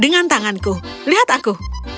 dengan tanganku lihat aku